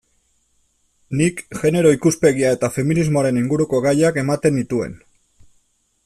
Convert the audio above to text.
Nik genero ikuspegia eta feminismoaren inguruko gaiak ematen nituen.